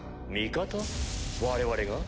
我々が？